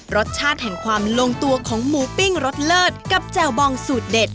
รสชาติแห่งความลงตัวของหมูปิ้งรสเลิศกับแจ่วบองสูตรเด็ด